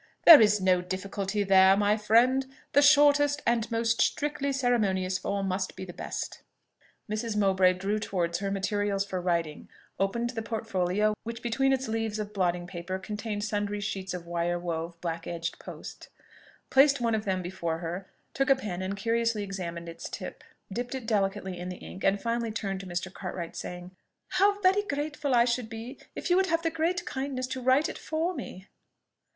"There is no difficulty there, my friend. The shortest and most strictly ceremonious form must be the best." Mrs. Mowbray drew towards her materials for writing, opened the portfolio, which between its leaves of blotting paper contained sundry sheets of wire wove, black edged post, placed one of them before her, took a pen and curiously examined its tip dipped it delicately in the ink, and finally turned to Mr. Cartwright, saying, "How very grateful I should be if you would have the great kindness to write it for me!"